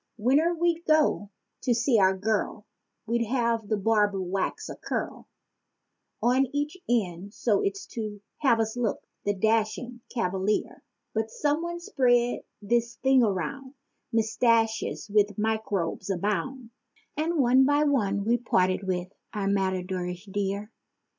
Whene'er we'd go to see our girl, we'd have the barber wax a curl On each end so's to have us look, the dashing cavalier. But some one spread this thing around—"Mustaches with microbes abound!" And one by one we parted with our matadorish dear.